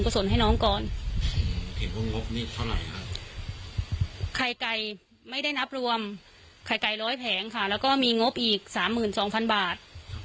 เพราะมีงบอีก๓๒๐๐๐บาท